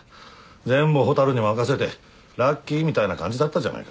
全部蛍に任せてラッキーみたいな感じだったじゃないか。